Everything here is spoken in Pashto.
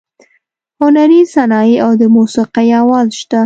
هنري صنایع او د موسیقۍ اواز شته.